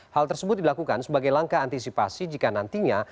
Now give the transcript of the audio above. hal tersebut dilakukan sebagai langkah antisipasi jika nantinya